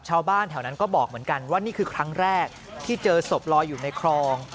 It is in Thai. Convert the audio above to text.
ชาวบ้านแถวนั้นก็บอกเหมือนกันว่านี่คือครั้งแรกที่เจอศพลอยอยู่ในคลอง